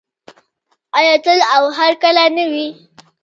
آیا تل او هرکله نه وي؟